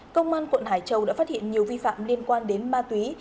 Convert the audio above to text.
công an quận hải châu đã phát hiện nhiều vi phạm liên quan đến ma túy